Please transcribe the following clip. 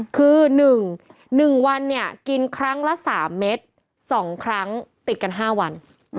คือ๑วันกินครั้งละ๓เม็ด๒ครั้งติดกัน๕วัน